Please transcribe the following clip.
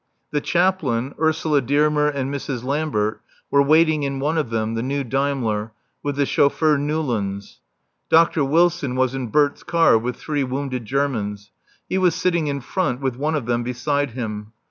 The Chaplain, Ursula Dearmer and Mrs. Lambert were waiting in one of them, the new Daimler, with the chauffeur Newlands. Dr. Wilson was in Bert's car with three wounded Germans. He was sitting in front with one of them beside him.